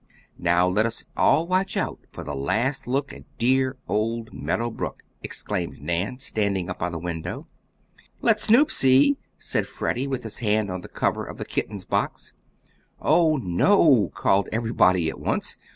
"Now, let us all watch out for the last look at dear old Meadow Brook," exclaimed Nan, standing up by the window. "Let Snoop see!" said Freddie, with his hand on the cover of the kitten's box. "Oh, no!" called everybody at once.